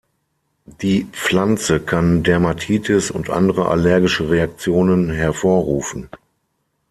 Die Pflanze kann Dermatitis und andere allergische Reaktionen hervorrufen.